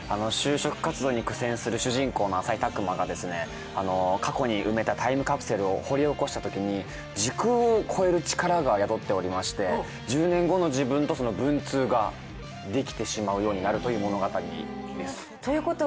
就職活動に苦戦する主人公の朝井拓真が過去に埋めたタイムカプセルを掘り起こしたときに時空を越える力が宿っておりまして１０年後の自分と文通ができてしまうようになるという物語です。